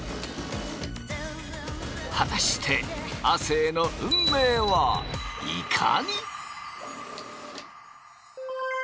果たして亜生の運命はいかに。